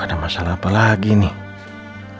ada masalah apa lagi nih